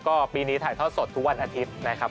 ก็ปีนี้ถ่ายทอดสดทุกวันอาทิตย์นะครับ